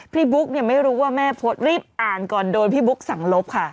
บุ๊กเนี่ยไม่รู้ว่าแม่โพสต์รีบอ่านก่อนโดนพี่บุ๊กสั่งลบค่ะ